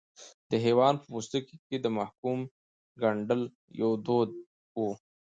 د حیوان په پوستکي کې د محکوم ګنډل یو دود و.